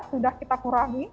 sudah kita kurangi